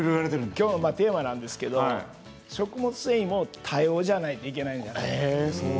今日のテーマなんですが食物繊維も多様じゃないといけないんです。